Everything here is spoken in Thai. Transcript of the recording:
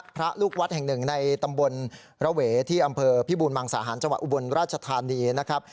พระลูกวัดแห่งหนึ่งในตำบลระเวที่อำเภอพิบูรมังสาหารจังหวัดอุบลราชธานีนะครับ